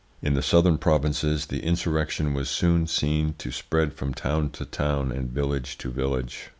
In the southern provinces the insurrection was soon seen to spread from town to town and village to village.